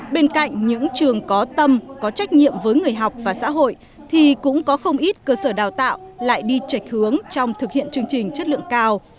bên cạnh những trường có tâm có trách nhiệm với người học và xã hội thì cũng có không ít cơ sở đào tạo lại đi trạch hướng trong thực hiện chương trình chất lượng cao